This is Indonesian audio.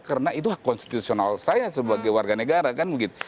karena itu hak konstitusional saya sebagai warga negara kan mungkin